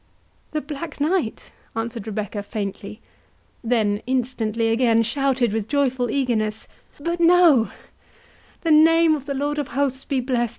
"The Black Knight," answered Rebecca, faintly; then instantly again shouted with joyful eagerness—"But no—but no!—the name of the Lord of Hosts be blessed!